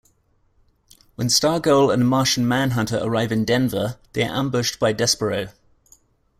When Stargirl and Martian Manhunter arrive in Denver, they are ambushed by Despero.